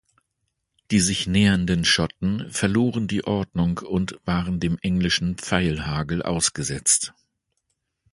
Die sich nähernden Schotten verloren die Ordnung und waren dem englischen Pfeilhagel ausgesetzt.